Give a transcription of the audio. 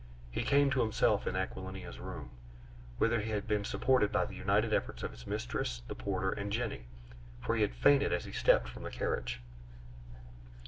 He came to himself in Aquilina's room, whither he had been supported by the united efforts of his mistress, the porter, and Jenny; for he had fainted as he stepped from the carriage.